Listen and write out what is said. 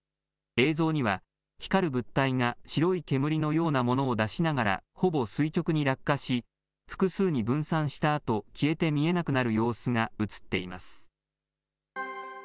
映像には、光る物体が白い煙のようなものを出しながら、ほぼ垂直に落下し、複数に分散したあと、消えて見えなくなる様子が映っています。